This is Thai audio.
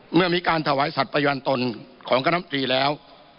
เมื่อมีการถวายสัตว์ประยันตนของคณะมตรีแล้ว